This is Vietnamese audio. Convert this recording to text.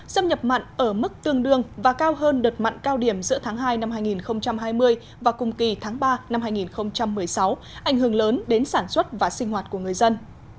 xâm nhập mặn ở mức tương đương và cao hơn đợt mặn cao điểm giữa tháng hai năm hai nghìn hai mươi và cùng kỳ tháng ba năm hai nghìn một mươi sáu ảnh hưởng lớn đến sản xuất và sinh hoạt của người dân